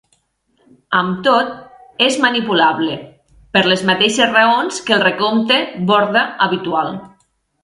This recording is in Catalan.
Amb tot, és manipulable, per les mateixes raons que el recompte Borda habitual.